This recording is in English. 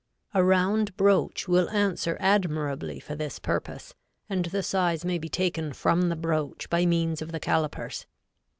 A round broach will answer admirably for this purpose, and the size may be taken from the broach by means of the calipers.